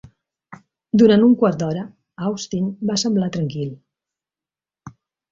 Durant un quart d'hora Austin va semblar tranquil.